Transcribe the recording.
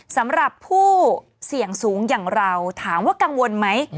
สำหรับผู้เสี่ยงสูงอย่างเราถามว่ากังวลไหม